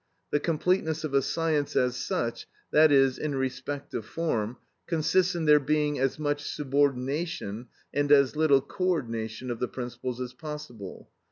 The completeness of a science as such, that is, in respect of form, consists in there being as much subordination and as little co ordination of the principles as possible.